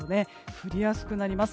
降りやすくなります。